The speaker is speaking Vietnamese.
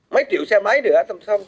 mấy triệu xe máy nữa